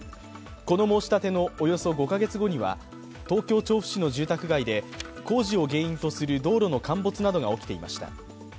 この申し立てのおよそ５カ月後には東京・調布市の住宅街で工事を原因とする道路の陥没などが起きていました。